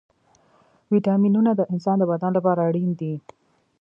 ويټامينونه د انسان د بدن لپاره اړين دي.